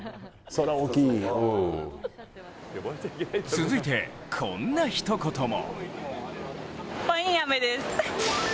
続いて、こんなひと言も。